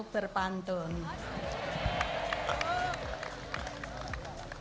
berbagi tentang hal hal tersebut